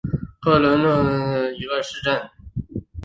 克赫伦是德国下萨克森州的一个市镇。